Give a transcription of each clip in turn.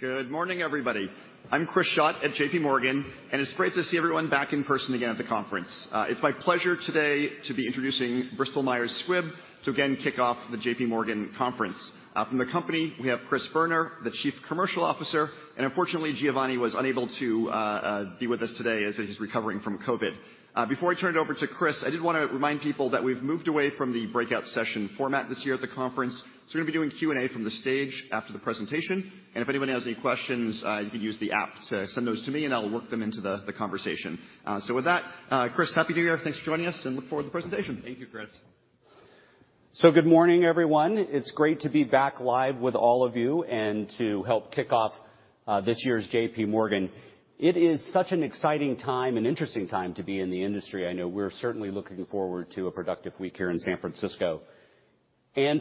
Good morning, everybody. I'm Chris Schott at J.P. Morgan. It's great to see everyone back in person again at the conference. It's my pleasure today to be introducing Bristol Myers Squibb to again kick off the J.P. Morgan Conference. From the company, we have Chris Boerner, the Chief Commercial Officer. Unfortunately, Giovanni was unable to be with us today as he's recovering from COVID. Before I turn it over to Chris, I did wanna remind people that we've moved away from the breakout session format this year at the conference. We're gonna be doing Q&A from the stage after the presentation. If anybody has any questions, you can use the app to send those to me, and I'll work them into the conversation. With that, Chris, happy to be here. Thanks for joining us and look forward to the presentation. Thank you, Chris. Good morning, everyone. It's great to be back live with all of you and to help kick off this year's J.P. Morgan. It is such an exciting time and interesting time to be in the industry. I know we're certainly looking forward to a productive week here in San Francisco.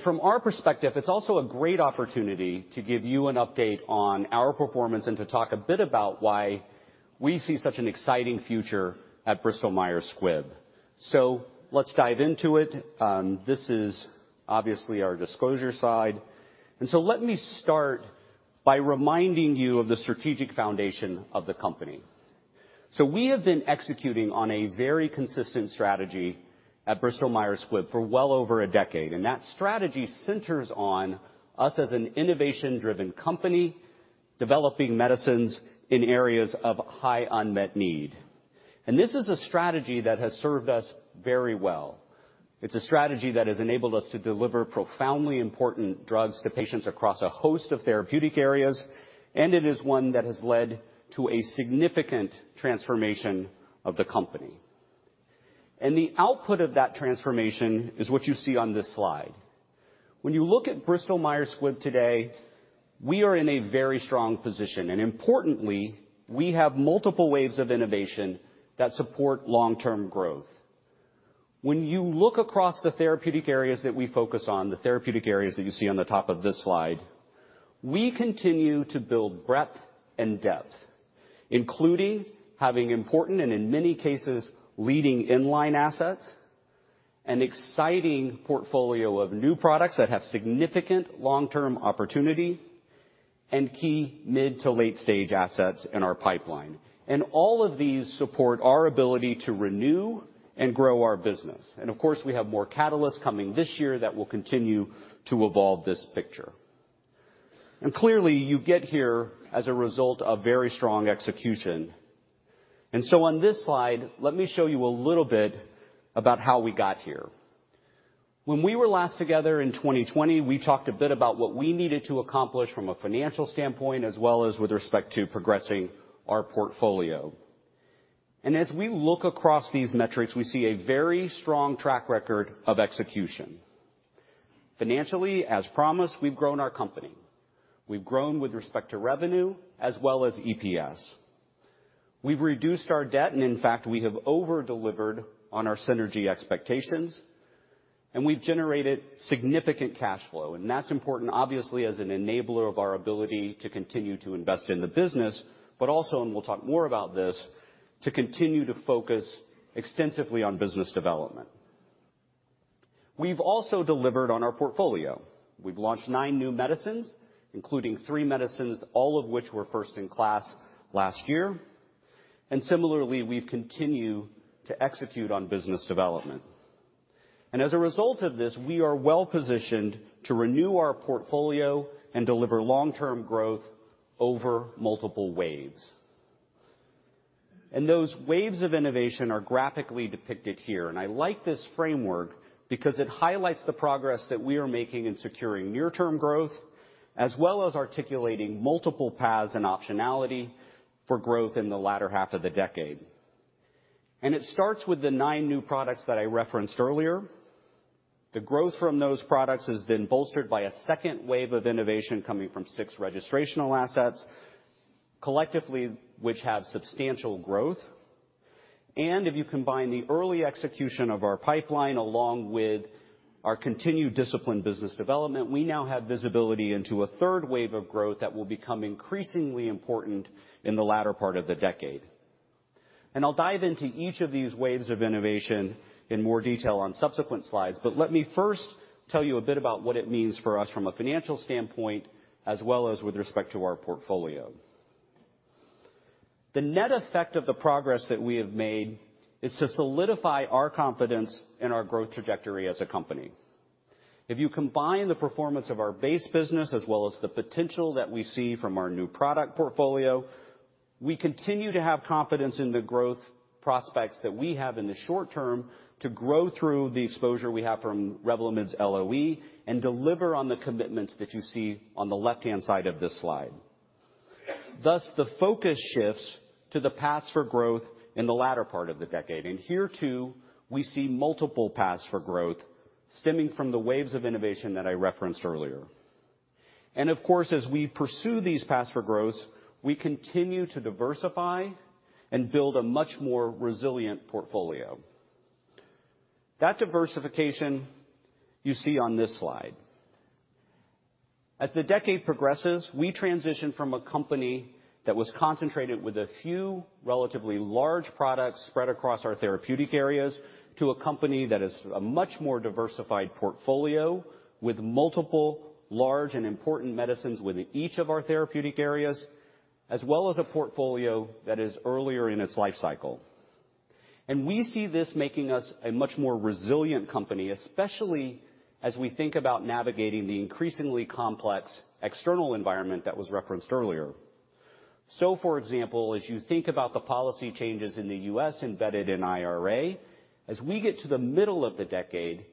From our perspective, it's also a great opportunity to give you an update on our performance and to talk a bit about why we see such an exciting future at Bristol Myers Squibb. Let's dive into it. This is obviously our disclosure slide. Let me start by reminding you of the strategic foundation of the company. We have been executing on a very consistent strategy at Bristol Myers Squibb for well over a decade. That strategy centers on us as an innovation-driven company, developing medicines in areas of high unmet need. This is a strategy that has served us very well. It's a strategy that has enabled us to deliver profoundly important drugs to patients across a host of therapeutic areas. It is one that has led to a significant transformation of the company. The output of that transformation is what you see on this slide. When you look at Bristol Myers Squibb today, we are in a very strong position. Importantly, we have multiple waves of innovation that support long-term growth. When you look across the therapeutic areas that we focus on, the therapeutic areas that you see on the top of this slide, we continue to build breadth and depth, including having important, and in many cases, leading in line assets, an exciting portfolio of new products that have significant long-term opportunity and key mid to late stage assets in our pipeline. All of these support our ability to renew and grow our business. Of course, we have more catalysts coming this year that will continue to evolve this picture. Clearly, you get here as a result of very strong execution. On this slide, let me show you a little bit about how we got here. When we were last together in 2020, we talked a bit about what we needed to accomplish from a financial standpoint, as well as with respect to progressing our portfolio. As we look across these metrics, we see a very strong track record of execution. Financially, as promised, we've grown our company. We've grown with respect to revenue as well as EPS. We've reduced our debt, and in fact, we have over-delivered on our synergy expectations, and we've generated significant cash flow. That's important, obviously, as an enabler of our ability to continue to invest in the business, but also, and we'll talk more about this, to continue to focus extensively on business development. We've also delivered on our portfolio. We've launched nine new medicines, including three medicines, all of which were first-in-class last year. Similarly, we've continued to execute on business development. As a result of this, we are well-positioned to renew our portfolio and deliver long-term growth over multiple waves. Those waves of innovation are graphically depicted here. I like this framework because it highlights the progress that we are making in securing near-term growth, as well as articulating multiple paths and optionality for growth in the latter half of the decade. It starts with the nine new products that I referenced earlier. The growth from those products has been bolstered by a second wave of innovation coming from six registrational assets, collectively which have substantial growth. If you combine the early execution of our pipeline along with our continued disciplined business development, we now have visibility into a third wave of growth that will become increasingly important in the latter part of the decade. I'll dive into each of these waves of innovation in more detail on subsequent slides, but let me first tell you a bit about what it means for us from a financial standpoint, as well as with respect to our portfolio. The net effect of the progress that we have made is to solidify our confidence in our growth trajectory as a company. If you combine the performance of our base business as well as the potential that we see from our new product portfolio, we continue to have confidence in the growth prospects that we have in the short term to grow through the exposure we have from REVLIMID's LOE and deliver on the commitments that you see on the left-hand side of this slide. Thus, the focus shifts to the paths for growth in the latter part of the decade, and here too, we see multiple paths for growth stemming from the waves of innovation that I referenced earlier. Of course, as we pursue these paths for growth, we continue to diversify and build a much more resilient portfolio. That diversification you see on this slide. As the decade progresses, we transition from a company that was concentrated with a few relatively large products spread across our therapeutic areas to a company that is a much more diversified portfolio with multiple large and important medicines within each of our therapeutic areas, as well as a portfolio that is earlier in its life cycle. We see this making us a much more resilient company, especially as we think about navigating the increasingly complex external environment that was referenced earlier. For example, as you think about the policy changes in the U.S. embedded in IRA, as we get to the middle of the decade,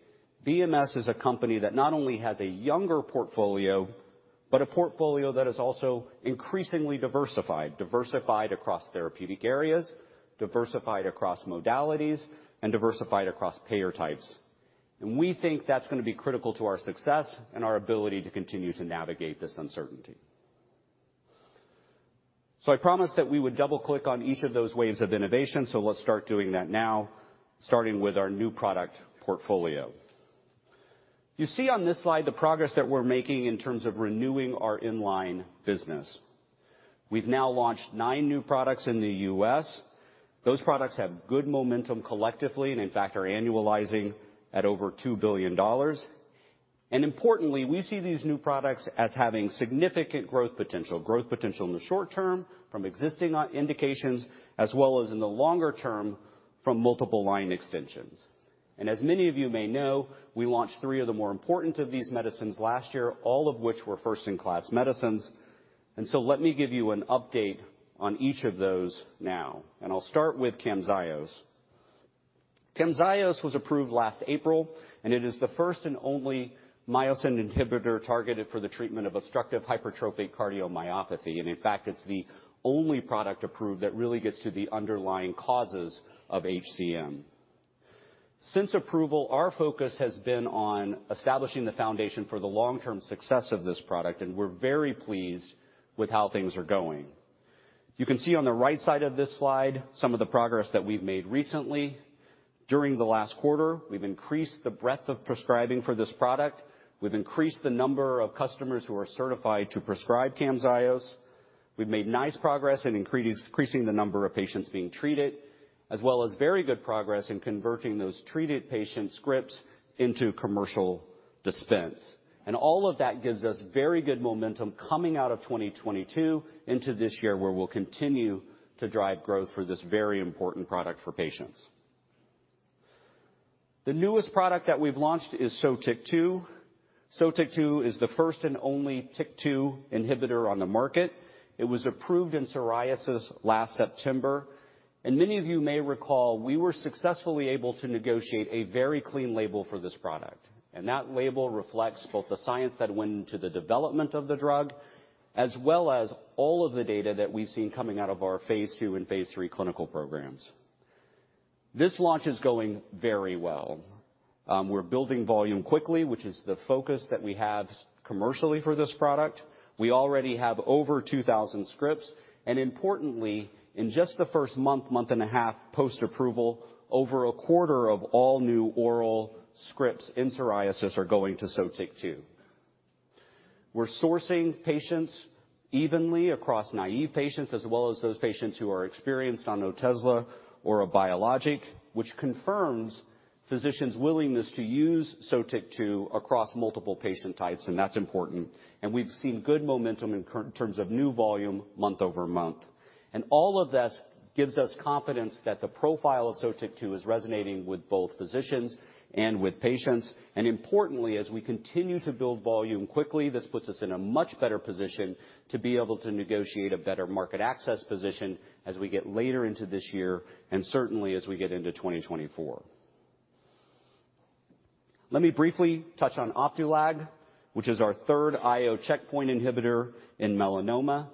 BMS is a company that not only has a younger portfolio, but a portfolio that is also increasingly diversified. Diversified across therapeutic areas, diversified across modalities, and diversified across payer types. We think that's gonna be critical to our success and our ability to continue to navigate this uncertainty. I promised that we would double-click on each of those waves of innovation, so let's start doing that now, starting with our new product portfolio. You see on this slide the progress that we're making in terms of renewing our inline business. We've now launched nine new products in the U.S. Those products have good momentum collectively, and in fact are annualizing at over $2 billion. Importantly, we see these new products as having significant growth potential. Growth potential in the short term from existing indications, as well as in the longer term from multiple line extensions. As many of you may know, we launched three of the more important of these medicines last year, all of which were first-in-class medicines. Let me give you an update on each of those now. I'll start with CAMZYOS. CAMZYOS was approved last April, and it is the first and only myosin inhibitor targeted for the treatment of obstructive hypertrophic cardiomyopathy, and in fact it's the only product approved that really gets to the underlying causes of HCM. Since approval, our focus has been on establishing the foundation for the long-term success of this product, and we're very pleased with how things are going. You can see on the right side of this slide some of the progress that we've made recently. During the last quarter, we've increased the breadth of prescribing for this product. We've increased the number of customers who are certified to prescribe CAMZYOS. We've made nice progress in increasing the number of patients being treated, as well as very good progress in converting those treated patient scripts into commercial dispense. All of that gives us very good momentum coming out of 2022 into this year where we'll continue to drive growth for this very important product for patients. The newest product that we've launched is Sotyktu. Sotyktu is the first and only TYK2 inhibitor on the market. It was approved in psoriasis last September. Many of you may recall, we were successfully able to negotiate a very clean label for this product, and that label reflects both the science that went into the development of the drug, as well as all of the data that we've seen coming out of our phase II and phase III clinical programs. This launch is going very well. We're building volume quickly, which is the focus that we have commercially for this product. We already have over 2,000 scripts, and importantly, in just the first month and a half post-approval, over a quarter of all new oral scripts in psoriasis are going to Sotyktu. We're sourcing patients evenly across naive patients, as well as those patients who are experienced on Otezla or a biologic, which confirms physicians' willingness to use Sotyktu across multiple patient types, and that's important. We've seen good momentum in terms of new volume month-over-month. All of this gives us confidence that the profile of Sotyktu is resonating with both physicians and with patients. Importantly, as we continue to build volume quickly, this puts us in a much better position to be able to negotiate a better market access position as we get later into this year, and certainly as we get into 2024. Let me briefly touch on Opdualag, which is our third IO checkpoint inhibitor in melanoma.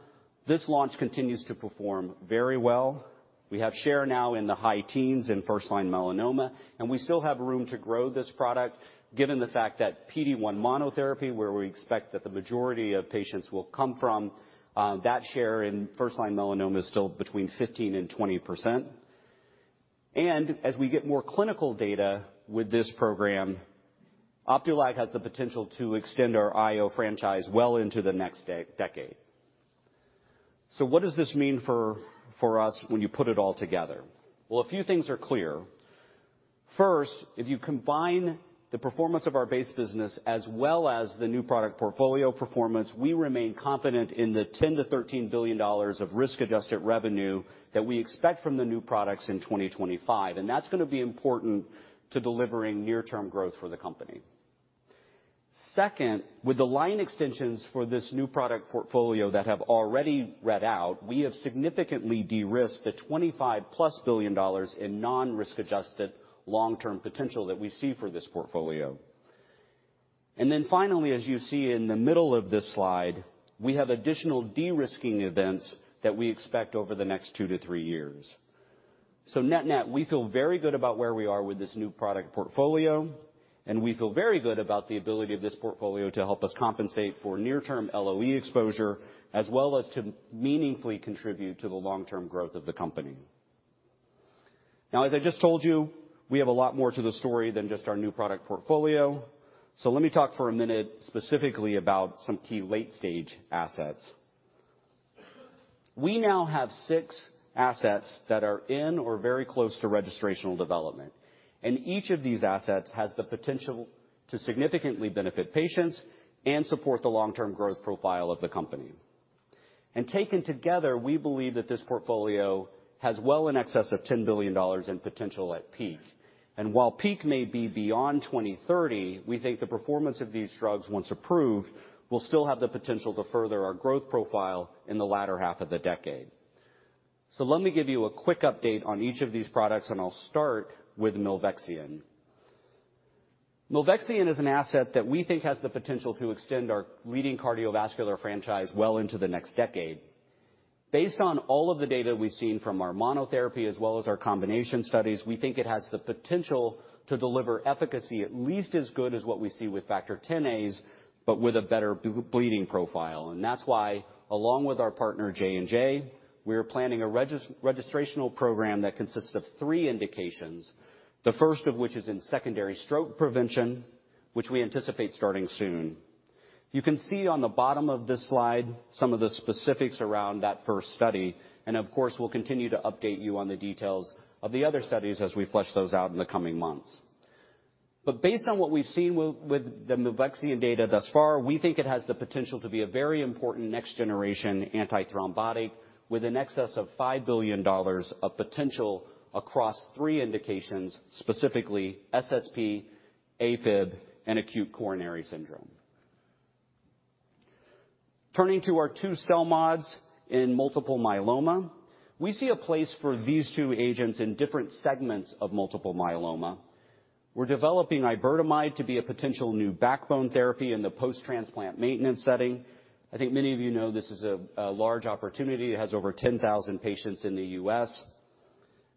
This launch continues to perform very well. We have share now in the high teens in firstline melanoma, and we still have room to grow this product given the fact that PD-1 monotherapy, where we expect that the majority of patients will come from, that share in firstline melanoma is still between 15% and 20%. As we get more clinical data with this program, Opdualag has the potential to extend our IO franchise well into the next decade. What does this mean for us when you put it all together? A few things are clear. First, if you combine the performance of our base business as well as the new product portfolio performance, we remain confident in the $10 billion-$13 billion of risk-adjusted revenue that we expect from the new products in 2025, and that's gonna be important to delivering near term growth for the company. Second, with the line extensions for this new product portfolio that have already read out, we have significantly de-risked the $25+ billion in non-risk adjusted long-term potential that we see for this portfolio. Finally, as you see in the middle of this slide, we have additional de-risking events that we expect over the next two to three years. Net-net, we feel very good about where we are with this new product portfolio, and we feel very good about the ability of this portfolio to help us compensate for near term LOE exposure, as well as to meaningfully contribute to the long-term growth of the company. As I just told you, we have a lot more to the story than just our new product portfolio. Let me talk for a minute specifically about some key late stage assets. We now have six assets that are in or very close to registrational development, and each of these assets has the potential to significantly benefit patients and support the long-term growth profile of the company. Taken together, we believe that this portfolio has well in excess of $10 billion in potential at peak. While peak may be beyond 2030, we think the performance of these drugs once approved, will still have the potential to further our growth profile in the latter half of the decade. Let me give you a quick update on each of these products, and I'll start with Milvexian. Milvexian is an asset that we think has the potential to extend our leading cardiovascular franchise well into the next decade. Based on all of the data we've seen from our monotherapy, as well as our combination studies, we think it has the potential to deliver efficacy at least as good as what we see with Factor Xa, but with a better bleeding profile. That's why, along with our partner J&J, we're planning a registration program that consists of three indications. The first of which is in secondary stroke prevention, which we anticipate starting soon. You can see on the bottom of this slide some of the specifics around that first study, and of course, we'll continue to update you on the details of the other studies as we flush those out in the coming months. Based on what we've seen with the milvexian data thus far, we think it has the potential to be a very important next generation antithrombotic with an excess of $5 billion of potential across three indications, specifically SSP, AFib, and acute coronary syndrome. Turning to our two cell mods in multiple myeloma, we see a place for these two agents in different segments of multiple myeloma. We're developing iberdomide to be a potential new backbone therapy in the post-transplant maintenance setting. I think many of you know this is a large opportunity. It has over 10,000 patients in the U.S.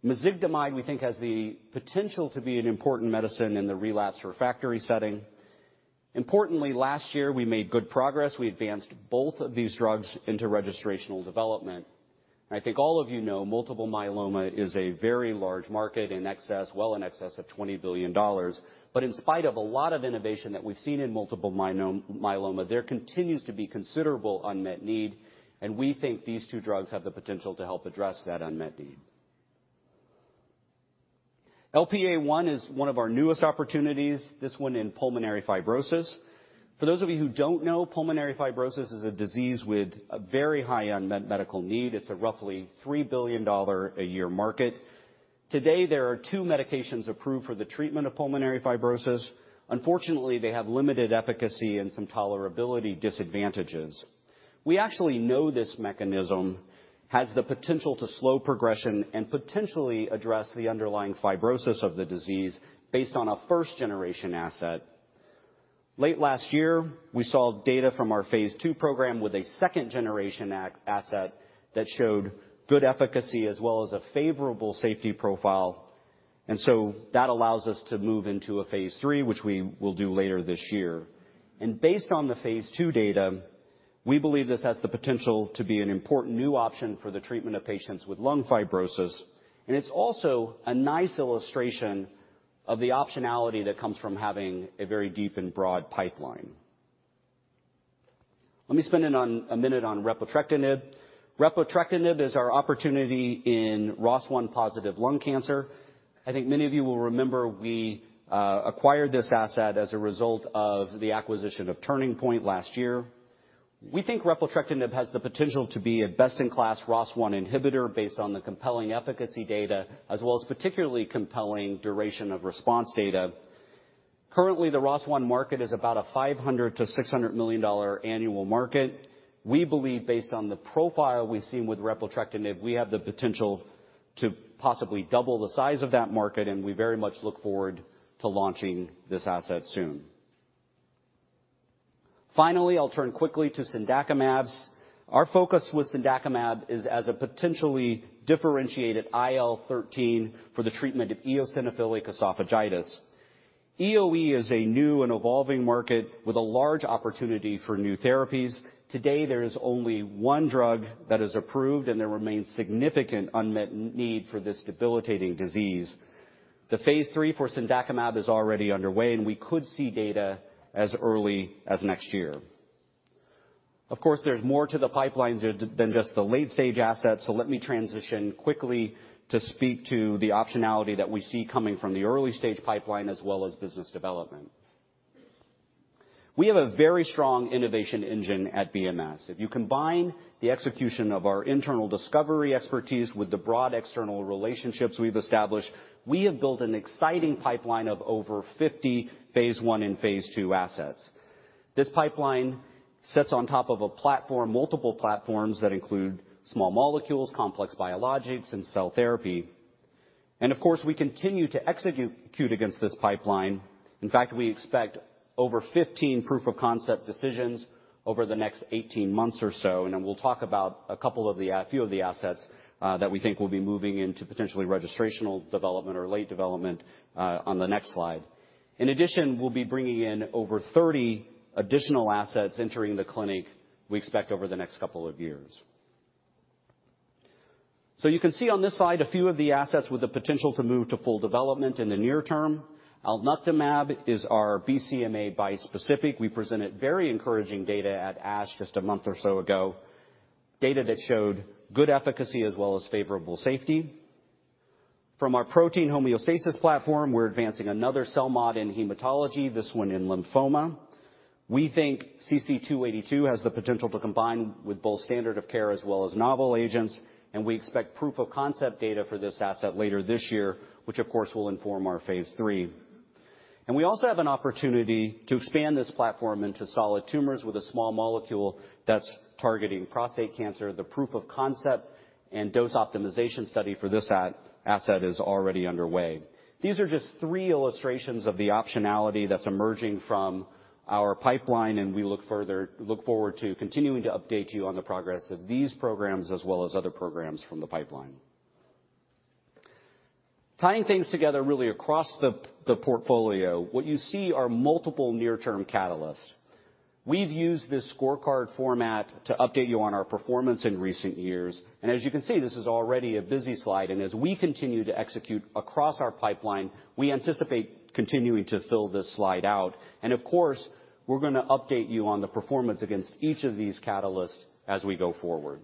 mezigdomide, we think has the potential to be an important medicine in the relapsed/refractory setting. Importantly, last year we made good progress. We advanced both of these drugs into registrational development. I think all of you know, multiple myeloma is a very large market well in excess of $20 billion. In spite of a lot of innovation that we've seen in multiple myeloma, there continues to be considerable unmet need, and we think these two drugs have the potential to help address that unmet need. LPA1 is one of our newest opportunities, this one in pulmonary fibrosis. For those of you who don't know, pulmonary fibrosis is a disease with a very high unmet medical need. It's a roughly $3 billion a year market. Today, there are two medications approved for the treatment of pulmonary fibrosis. Unfortunately, they have limited efficacy and some tolerability disadvantages. We actually know this mechanism has the potential to slow progression and potentially address the underlying fibrosis of the disease based on a first-generation asset. Late last year, we saw data from our phase II program with a second-generation a-asset that showed good efficacy as well as a favorable safety profile. That allows us to move into a phase III, which we will do later this year. Based on the phase II data, we believe this has the potential to be an important new option for the treatment of patients with lung fibrosis, and it's also a nice illustration of the optionality that comes from having a very deep and broad pipeline. Let me spend a minute on repotrectinib. Repotrectinib is our opportunity in ROS1-positive lung cancer. I think many of you will remember we acquired this asset as a result of the acquisition of Turning Point last year. We think repotrectinib has the potential to be a best-in-class ROS1 inhibitor based on the compelling efficacy data as well as particularly compelling duration of response data. Currently, the ROS1 market is about a $500 million-$600 million annual market. We believe based on the profile we've seen with repotrectinib, we have the potential to possibly double the size of that market, and we very much look forward to launching this asset soon. Finally, I'll turn quickly to cendakimab. Our focus with cendakimab is as a potentially differentiated IL-13 for the treatment of eosinophilic esophagitis. EoE is a new and evolving market with a large opportunity for new therapies. Today, there is only one drug that is approved, and there remains significant unmet need for this debilitating disease. The phase III for cendakimab is already underway, and we could see data as early as next year. Of course, there's more to the pipeline than just the late-stage assets, so let me transition quickly to speak to the optionality that we see coming from the early-stage pipeline as well as business development. We have a very strong innovation engine at BMS. If you combine the execution of our internal discovery expertise with the broad external relationships we've established, we have built an exciting pipeline of over 50 phase I and phase II assets. This pipeline sits on top of a platform, multiple platforms that include small molecules, complex biologics, and cell therapy. Of course, we continue to execute against this pipeline. In fact, we expect over 15 proof-of-concept decisions over the next 18 months or so, we'll talk about a couple of the few of the assets that we think will be moving into potentially registrational development or late development on the next slide. In addition, we'll be bringing in over 30 additional assets entering the clinic we expect over the next couple of years. You can see on this slide a few of the assets with the potential to move to full development in the near term. Alnuctamab is our BCMA bispecific. We presented very encouraging data at ASH just a month or so ago, data that showed good efficacy as well as favorable safety. From our protein homeostasis platform, we're advancing another CELMoD in hematology, this one in lymphoma. We think CC-282 has the potential to combine with both standard of care as well as novel agents, and we expect proof of concept data for this asset later this year, which of course will inform our phase III. We also have an opportunity to expand this platform into solid tumors with a small molecule that's targeting prostate cancer. The proof of concept and dose optimization study for this asset is already underway. These are just three illustrations of the optionality that's emerging from our pipeline, and we look forward to continuing to update you on the progress of these programs as well as other programs from the pipeline. Tying things together really across the portfolio, what you see are multiple near-term catalysts. We've used this scorecard format to update you on our performance in recent years. As you can see, this is already a busy slide, and as we continue to execute across our pipeline, we anticipate continuing to fill this slide out. Of course, we're gonna update you on the performance against each of these catalysts as we go forward.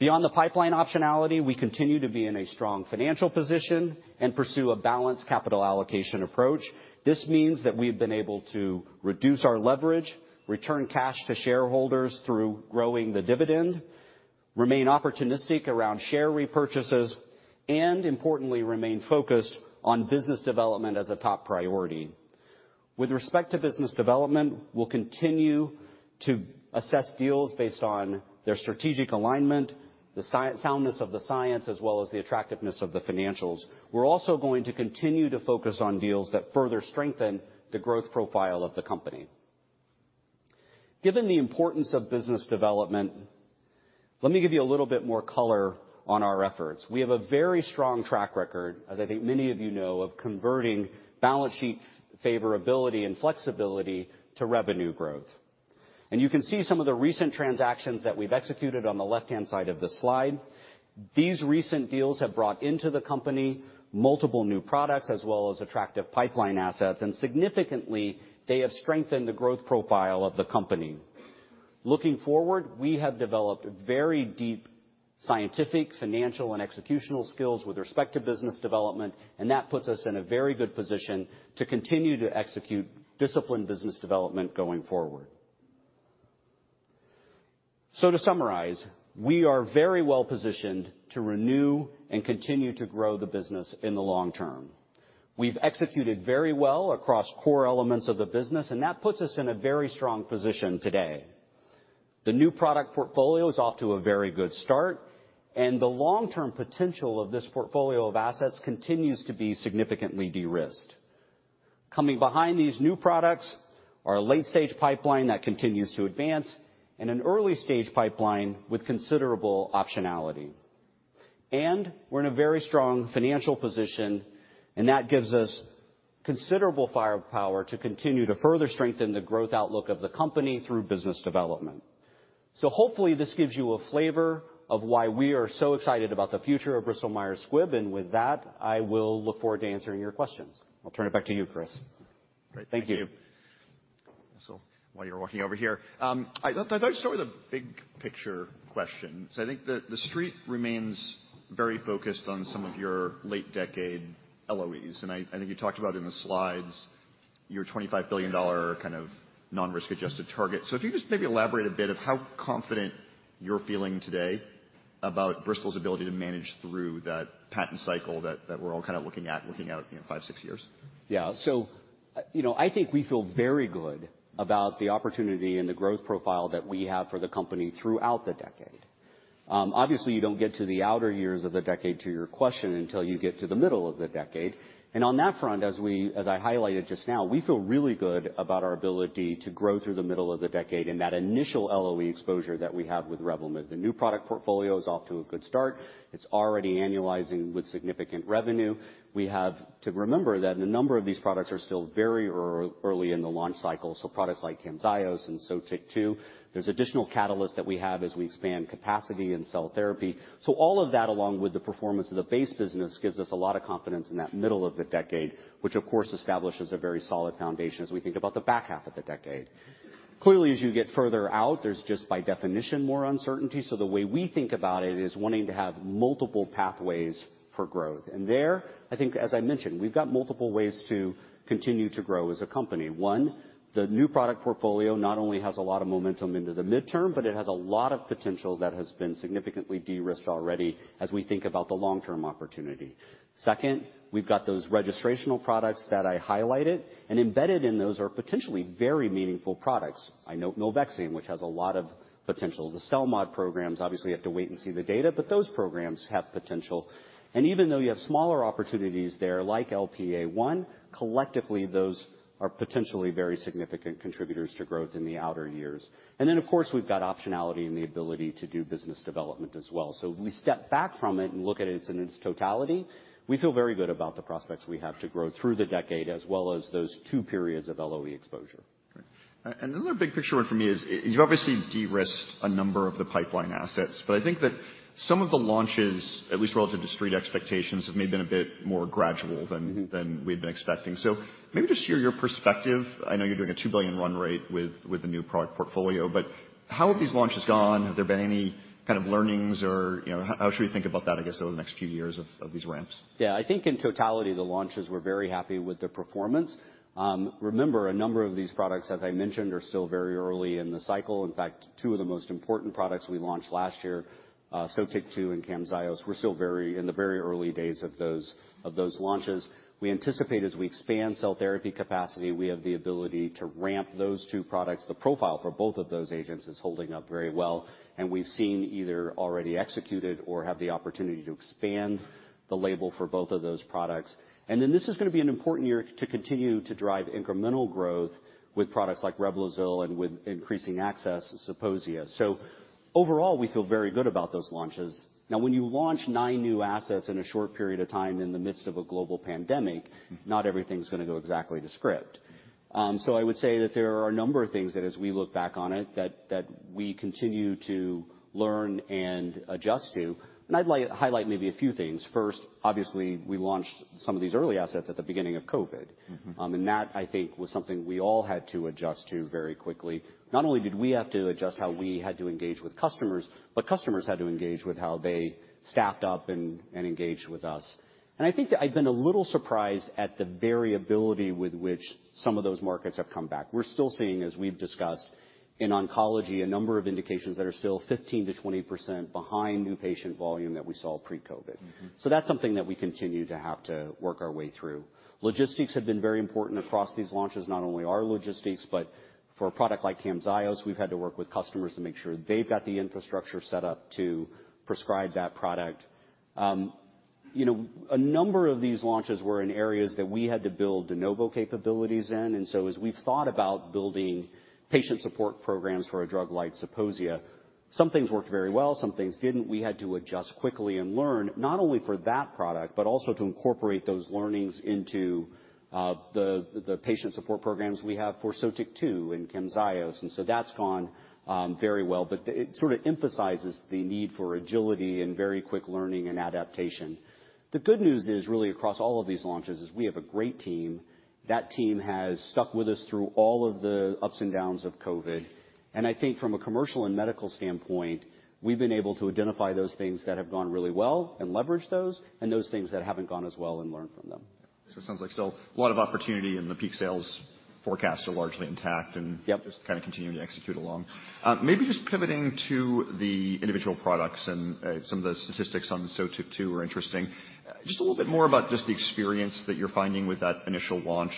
Beyond the pipeline optionality, we continue to be in a strong financial position and pursue a balanced capital allocation approach. This means that we have been able to reduce our leverage, return cash to shareholders through growing the dividend, remain opportunistic around share repurchases, and importantly, remain focused on business development as a top priority. With respect to business development, we'll continue to assess deals based on their strategic alignment, the soundness of the science, as well as the attractiveness of the financials. We're also going to continue to focus on deals that further strengthen the growth profile of the company. Given the importance of business development, let me give you a little bit more color on our efforts. We have a very strong track record, as I think many of you know of converting balance sheet favorability and flexibility to revenue growth. You can see some of the recent transactions that we've executed on the left-hand side of the slide. These recent deals have brought into the company multiple new products as well as attractive pipeline assets. Significantly, they have strengthened the growth profile of the company. Looking forward, we have developed very deep scientific, financial, and executional skills with respect to business development. That puts us in a very good position to continue to execute disciplined business development going forward. To summarize, we are very well-positioned to renew and continue to grow the business in the long term. We've executed very well across core elements of the business. That puts us in a very strong position today. The new product portfolio is off to a very good start. The long-term potential of this portfolio of assets continues to be significantly de-risked. Coming behind these new products are a late-stage pipeline that continues to advance and an early-stage pipeline with considerable optionality. We're in a very strong financial position, and that gives us considerable firepower to continue to further strengthen the growth outlook of the company through business development. Hopefully this gives you a flavor of why we are so excited about the future of Bristol Myers Squibb, and with that, I will look forward to answering your questions. I'll turn it back to you, Chris. Thank you. While you're walking over here, I'd like to start with a big picture question. I think the Street remains very focused on some of your late decade LOEs, and I think you talked about in the slides your $25 billion kind of non-risk adjusted target. If you just maybe elaborate a bit of how confident you're feeling today about Bristol's ability to manage through that patent cycle that we're all kind of looking at, looking out, you know, five, six years. You know, I think we feel very good about the opportunity and the growth profile that we have for the company throughout the decade. Obviously, you don't get to the outer years of the decade to your question until you get to the middle of the decade. On that front, as I highlighted just now, we feel really good about our ability to grow through the middle of the decade and that initial LOE exposure that we have with REVLIMID. The new product portfolio is off to a good start. It's already annualizing with significant revenue. We have to remember that a number of these products are still very early in the launch cycle, so products like CAMZYOS and Sotyktu. There's additional catalysts that we have as we expand capacity and cell therapy. All of that, along with the performance of the base business, gives us a lot of confidence in that middle of the decade, which of course establishes a very solid foundation as we think about the back half of the decade. Clearly, as you get further out, there's just by definition, more uncertainty. The way we think about it is wanting to have multiple pathways for growth. There, I think, as I mentioned, we've got multiple ways to continue to grow as a company. One, the new product portfolio not only has a lot of momentum into the mid-term, but it has a lot of potential that has been significantly de-risked already as we think about the long-term opportunity. Second, we've got those registrational products that I highlighted, and embedded in those are potentially very meaningful products. I know milvexian, which has a lot of potential. The CELMoD programs, obviously, you have to wait and see the data, but those programs have potential. Even though you have smaller opportunities there, like LPA1, collectively, those are potentially very significant contributors to growth in the outer years. Then, of course, we've got optionality and the ability to do business development as well. If we step back from it and look at it in its totality, we feel very good about the prospects we have to grow through the decade as well as those two periods of LOE exposure. Great. Another big picture one for me is you've obviously de-risked a number of the pipeline assets, but I think that some of the launches, at least relative to Street expectations, have maybe been a bit more gradual. Mm-hmm. Than we've been expecting. Maybe just hear your perspective. I know you're doing a $2 billion run rate with the new product portfolio. How have these launches gone? Have there been any kind of learnings or, you know, how should we think about that, I guess, over the next few years of these ramps? Yeah. I think in totality, the launches, we're very happy with the performance. Remember, a number of these products, as I mentioned, are still very early in the cycle. In fact, two of the most important products we launched last year, Sotyktu and CAMZYOS, we're still in the very early days of those launches. We anticipate as we expand cell therapy capacity, we have the ability to ramp those two products. The profile for both of those agents is holding up very well, and we've seen either already executed or have the opportunity to expand the label for both of those products. This is gonna be an important year to continue to drive incremental growth with products like REBLOZYL and with increasing access to ZEPOSIA. Overall, we feel very good about those launches. Now when you launch nine new assets in a short period of time in the midst of a global pandemic... Mm-hmm. Not everything's gonna go exactly to script. I would say that there are a number of things that as we look back on it, that we continue to learn and adjust to, and I'd like highlight maybe a few things. First, obviously, we launched some of these early assets at the beginning of COVID. Mm-hmm. That I think was something we all had to adjust to very quickly. Not only did we have to adjust how we had to engage with customers had to engage with how they staffed up and engaged with us. I think that I've been a little surprised at the variability with which some of those markets have come back. We're still seeing, as we've discussed in oncology, a number of indications that are still 15%-20% behind new patient volume that we saw pre-COVID. Mm-hmm. That's something that we continue to have to work our way through. Logistics have been very important across these launches, not only our logistics, but for a product like CAMZYOS, we've had to work with customers to make sure they've got the infrastructure set up to prescribe that product. You know, a number of these launches were in areas that we had to build de novo capabilities in, and so as we've thought about building patient support programs for a drug like ZEPOSIA, some things worked very well, some things didn't. We had to adjust quickly and learn not only for that product, but also to incorporate those learnings into the patient support programs we have for Sotyktu and CAMZYOS. That's gone very well, but it sort of emphasizes the need for agility and very quick learning and adaptation. The good news is really across all of these launches is we have a great team. That team has stuck with us through all of the ups and downs of COVID. I think from a commercial and medical standpoint, we've been able to identify those things that have gone really well and leverage those, and those things that haven't gone as well and learn from them. It sounds like still a lot of opportunity and the peak sales forecasts are largely intact. Yep. -just kinda continuing to execute along. Maybe just pivoting to the individual products and some of the statistics on the Sotyktu are interesting. Just a little bit more about just the experience that you're finding with that initial launch.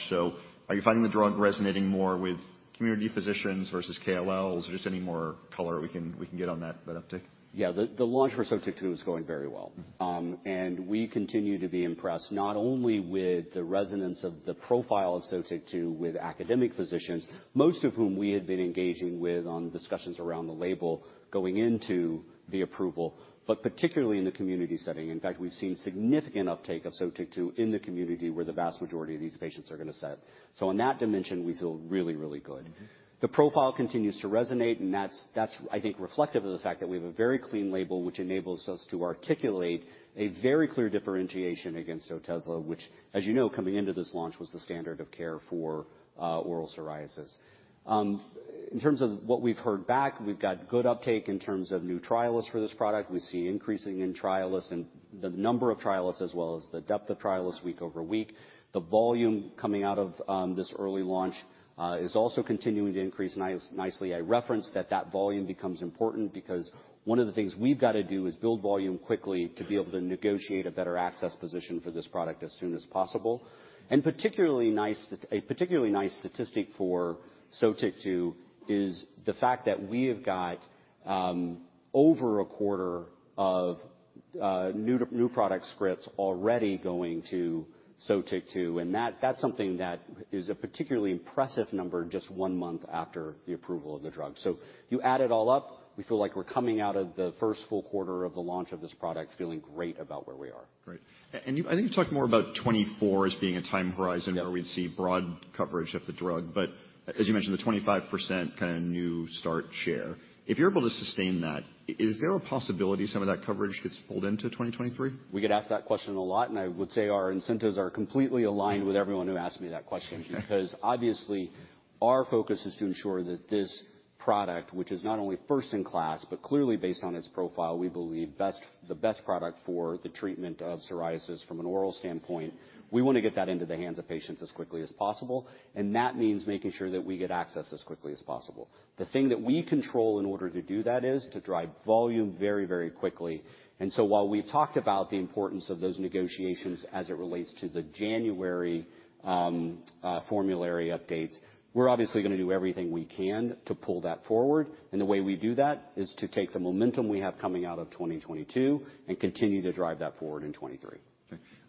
Are you finding the drug resonating more with community physicians versus KOL? Is there just any more color we can, we can get on that uptick? Yeah. The launch for Sotyktu is going very well. Mm-hmm. We continue to be impressed not only with the resonance of the profile of Sotyktu with academic physicians, most of whom we had been engaging with on discussions around the label going into the approval, but particularly in the community setting. In fact, we've seen significant uptake of Sotyktu in the community where the vast majority of these patients are gonna sit. In that dimension, we feel really good. Mm-hmm. The profile continues to resonate, and that's I think reflective of the fact that we have a very clean label, which enables us to articulate a very clear differentiation against Otezla, which, as you know, coming into this launch, was the standard of care for oral psoriasis. In terms of what we've heard back, we've got good uptake in terms of new trialists for this product. We see increasing in trialists and the number of trialists as well as the depth of trialists week over week. The volume coming out of this early launch is also continuing to increase nicely. I referenced that volume becomes important because one of the things we've gotta do is build volume quickly to be able to negotiate a better access position for this product as soon as possible. A particularly nice statistic for Sotyktu is the fact that we have got over a quarter of new product scripts already going to Sotyktu, that's something that is a particularly impressive number just one month after the approval of the drug. You add it all up, we feel like we're coming out of the first full quarter of the launch of this product feeling great about where we are. Great. I think you talked more about 2024 as being a time horizon- Yeah. Where we'd see broad coverage of the drug, but as you mentioned, the 25% kind of new start share. If you're able to sustain that, is there a possibility some of that coverage gets pulled into 2023? We get asked that question a lot. I would say our incentives are completely aligned with everyone who asks me that question. Obviously, our focus is to ensure that this product, which is not only first-in-class, but clearly based on its profile, we believe the best product for the treatment of psoriasis from an oral standpoint, we wanna get that into the hands of patients as quickly as possible. That means making sure that we get access as quickly as possible. The thing that we control in order to do that is to drive volume very, very quickly. While we've talked about the importance of those negotiations as it relates to the January formulary updates, we're obviously gonna do everything we can to pull that forward, and the way we do that is to take the momentum we have coming out of 2022 and continue to drive that forward in 2023.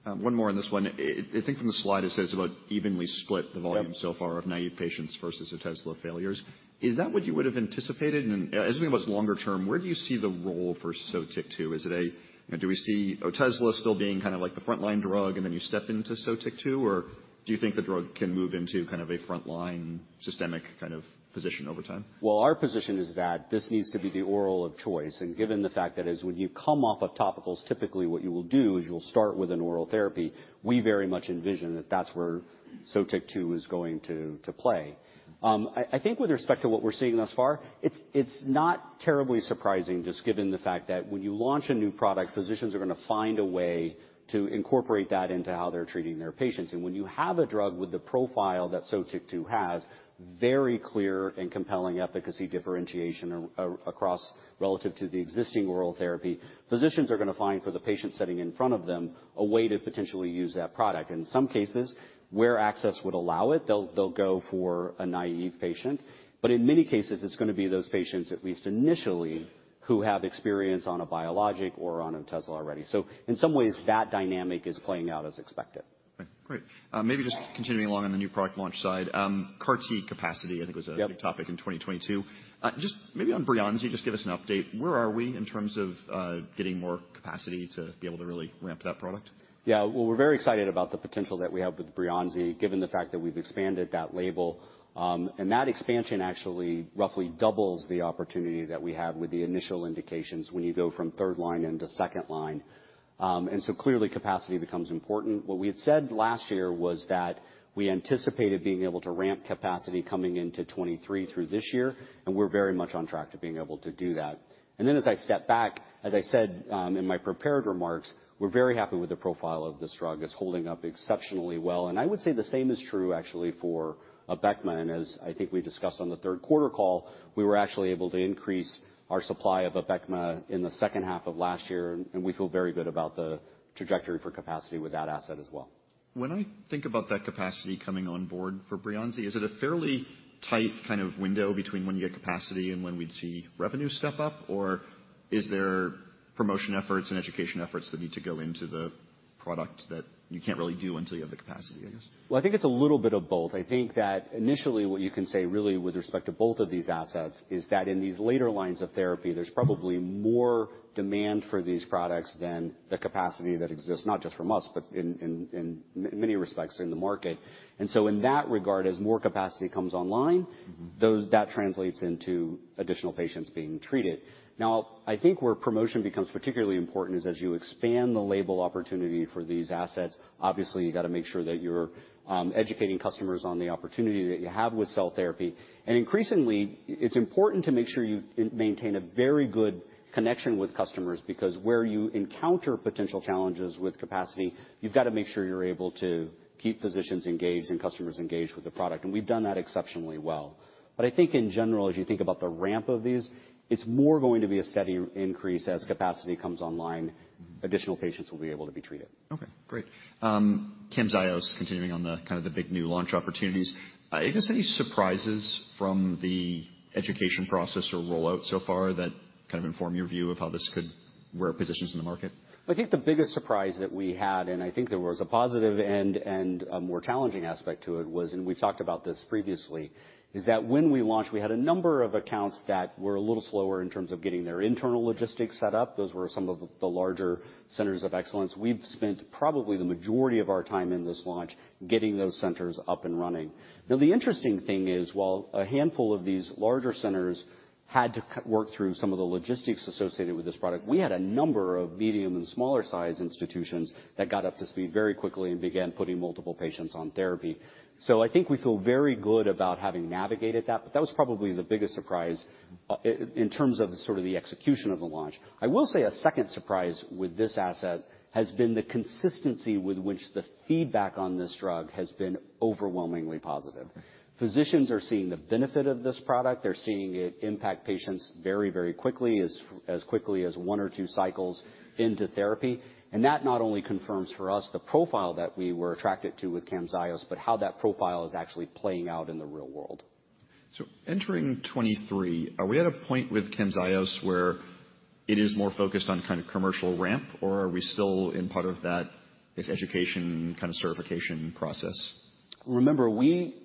Okay. one more on this one. I think from the slide it says about evenly split the volume. Yep. So far of naive patients versus Otezla failures. Is that what you would have anticipated? As we think about longer term, where do you see the role for Sotyktu? I mean, do we see Otezla still being kind of like the frontline drug and then you step into Sotyktu? Or do you think the drug can move into kind of a frontline systemic kind of position over time? Well, our position is that this needs to be the oral of choice, and given the fact that is when you come off of topicals, typically what you will do is you'll start with an oral therapy. We very much envision that that's where Sotyktu is going to play. I think with respect to what we're seeing thus far, it's not terribly surprising just given the fact that when you launch a new product, physicians are gonna find a way to incorporate that into how they're treating their patients. When you have a drug with the profile that Sotyktu has, very clear and compelling efficacy differentiation across relative to the existing oral therapy, physicians are gonna find for the patient sitting in front of them a way to potentially use that product. In some cases, where access would allow it, they'll go for a naive patient. In many cases, it's gonna be those patients, at least initially, who have experience on a biologic or on nintedanib already. In some ways, that dynamic is playing out as expected. Okay, great. Maybe just continuing along on the new product launch side, CAR-T capacity, I think Yep ...a big topic in 2022. just maybe on Breyanzi, just give us an update. Where are we in terms of getting more capacity to be able to really ramp that product? Yeah. Well, we're very excited about the potential that we have with Breyanzi, given the fact that we've expanded that label. That expansion actually roughly doubles the opportunity that we have with the initial indications when you go from third line into second line. Clearly, capacity becomes important. What we had said last year was that we anticipated being able to ramp capacity coming into 2023 through this year, and we're very much on track to being able to do that. As I step back, as I said, in my prepared remarks, we're very happy with the profile of this drug. It's holding up exceptionally well, and I would say the same is true actually for Abecma. As I think we discussed on the third quarter call, we were actually able to increase our supply of Abecma in the second half of last year, and we feel very good about the trajectory for capacity with that asset as well. When I think about that capacity coming on board for Breyanzi, is it a fairly tight kind of window between when you get capacity and when we'd see revenue step up? Or is there promotion efforts and education efforts that need to go into the product that you can't really do until you have the capacity, I guess? Well, I think it's a little bit of both. I think that initially what you can say really with respect to both of these assets is that in these later lines of therapy, there's probably more demand for these products than the capacity that exists, not just from us, but in many respects in the market. In that regard, as more capacity comes online. Mm-hmm that translates into additional patients being treated. I think where promotion becomes particularly important is as you expand the label opportunity for these assets, obviously, you gotta make sure that you're educating customers on the opportunity that you have with cell therapy. Increasingly, it's important to make sure you maintain a very good connection with customers, because where you encounter potential challenges with capacity, you've gotta make sure you're able to keep physicians engaged and customers engaged with the product, and we've done that exceptionally well. I think in general, as you think about the ramp of these, it's more going to be a steady increase as capacity comes online. Mm-hmm. Additional patients will be able to be treated. Okay, great. CAMZYOS continuing on the kind of the big new launch opportunities. You got any surprises from the education process or rollout so far that kind of inform your view of how this could... Where it positions in the market? I think the biggest surprise that we had, I think there was a positive and a more challenging aspect to it was, we've talked about this previously, is that when we launched, we had a number of accounts that were a little slower in terms of getting their internal logistics set up. Those were some of the larger centers of excellence. We've spent probably the majority of our time in this launch getting those centers up and running. The interesting thing is, while a handful of these larger centers had to work through some of the logistics associated with this product, we had a number of medium and smaller size institutions that got up to speed very quickly and began putting multiple patients on therapy. I think we feel very good about having navigated that, but that was probably the biggest surprise in terms of sort of the execution of the launch. I will say a second surprise with this asset has been the consistency with which the feedback on this drug has been overwhelmingly positive. Physicians are seeing the benefit of this product. They're seeing it impact patients very, very quickly, as quickly as one or two cycles into therapy. That not only confirms for us the profile that we were attracted to with CAMZYOS, but how that profile is actually playing out in the real world. Entering 2023, are we at a point with CAMZYOS where it is more focused on kind of commercial ramp, or are we still in part of that, this education kind of certification process? Remember, we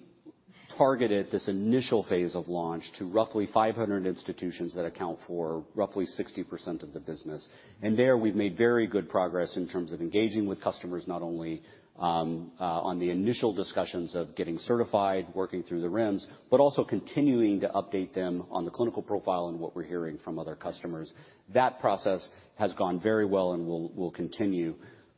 targeted this initial phase of launch to roughly 500 institutions that account for roughly 60% of the business. There, we've made very good progress in terms of engaging with customers, not only on the initial discussions of getting certified, working through the REMS, but also continuing to update them on the clinical profile and what we're hearing from other customers. That process has gone very well and will continue.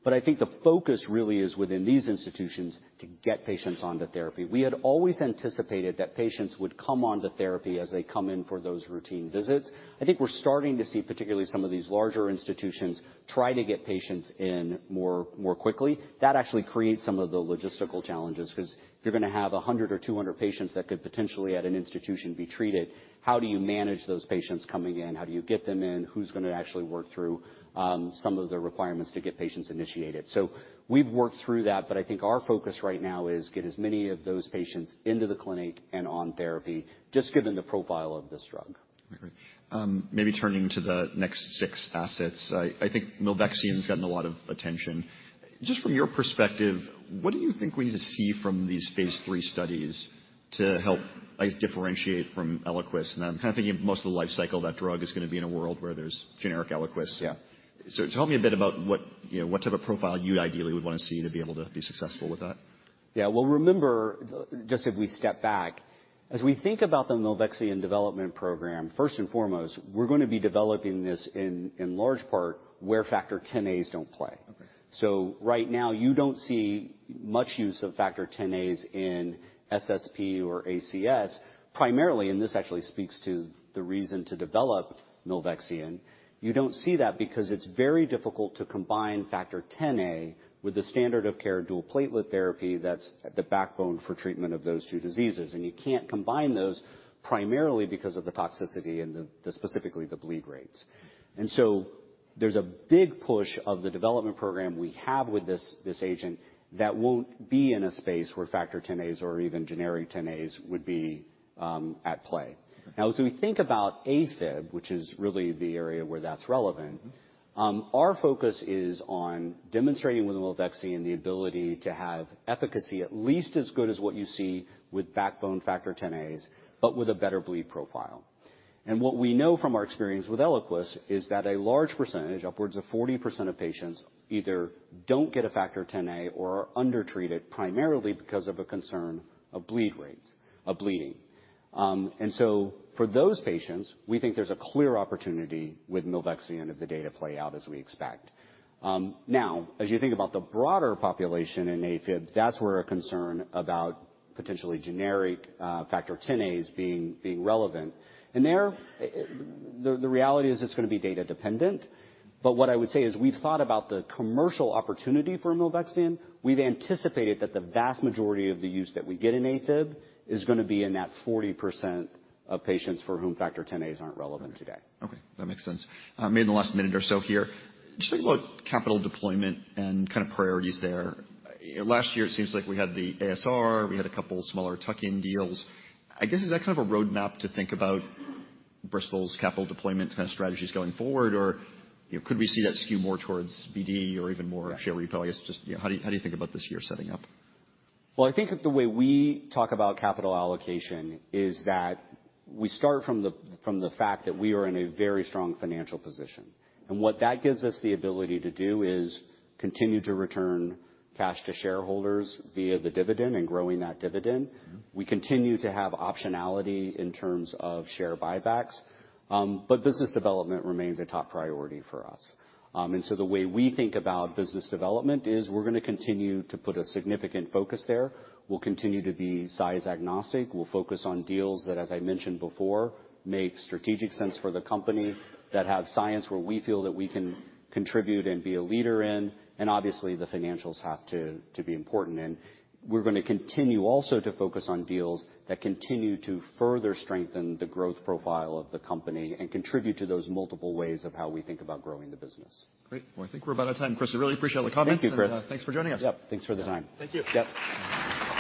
I think the focus really is within these institutions to get patients onto therapy. We had always anticipated that patients would come onto therapy as they come in for those routine visits. I think we're starting to see particularly some of these larger institutions try to get patients in more quickly. That actually creates some of the logistical challenges, 'cause if you're gonna have 100 or 200 patients that could potentially at an institution be treated, how do you manage those patients coming in? How do you get them in? Who's gonna actually work through some of the requirements to get patients initiated? We've worked through that, but I think our focus right now is get as many of those patients into the clinic and on therapy, just given the profile of this drug. Okay. Maybe turning to the next six assets. I think milvexian's gotten a lot of attention. Just from your perspective, what do you think we need to see from these phase III studies to help, I guess, differentiate from ELIQUIS? I'm kind of thinking most of the life cycle of that drug is gonna be in a world where there's generic ELIQUIS. Yeah. Tell me a bit about what, you know, what type of profile you ideally would wanna see to be able to be successful with that. Yeah. Well, remember, just if we step back, as we think about the milvexian development program, first and foremost, we're gonna be developing this in large part where Factor Xa's don't play. Okay. Right now you don't see much use of Factor Xa's in SSP or ACS primarily, this actually speaks to the reason to develop milvexian. You don't see that because it's very difficult to combine Factor Xa with the standard of care dual antiplatelet therapy that's the backbone for treatment of those two diseases, and you can't combine those primarily because of the toxicity and the specifically the bleed rates. There's a big push of the development program we have with this agent that won't be in a space where Factor Xas or even generic Xas would be at play. As we think about AFib, which is really the area where that's relevant. Mm-hmm. Our focus is on demonstrating with milvexian the ability to have efficacy, at least as good as what you see with backbone Factor Xas, but with a better bleed profile. What we know from our experience with ELIQUIS is that a large percentage, upwards of 40% of patients, either don't get a Factor Xa or are undertreated primarily because of a concern of bleeding. For those patients, we think there's a clear opportunity with milvexian if the data play out as we expect. Now, as you think about the broader population in AFib, that's where a concern about potentially generic Factor Xas being relevant. There, the reality is it's gonna be data dependent. What I would say is we've thought about the commercial opportunity for milvexian. We've anticipated that the vast majority of the use that we get in AFib is gonna be in that 40% of patients for whom Factor Xas aren't relevant today. Okay, that makes sense. Maybe in the last minute or so here, just think about capital deployment and kinda priorities there. Last year, it seems like we had the ASR, we had a couple smaller tuck-in deals. I guess, is that kind of a roadmap to think about Bristol's capital deployment kinda strategies going forward? You know, could we see that skew more towards BD or even more share repel? I guess just, you know, how do you think about this year setting up? Well, I think that the way we talk about capital allocation is that we start from the, from the fact that we are in a very strong financial position, and what that gives us the ability to do is continue to return cash to shareholders via the dividend and growing that dividend. Mm-hmm. We continue to have optionality in terms of share buybacks. Business development remains a top priority for us. The way we think about business development is we're gonna continue to put a significant focus there. We'll continue to be size agnostic. We'll focus on deals that, as I mentioned before, make strategic sense for the company, that have science where we feel that we can contribute and be a leader in. Obviously, the financials have to be important. We're gonna continue also to focus on deals that continue to further strengthen the growth profile of the company and contribute to those multiple ways of how we think about growing the business. Great. I think we're about out of time. Chris, I really appreciate all the comments. Thank you, Chris. Thanks for joining us. Yep, thanks for the time. Thank you. Yep.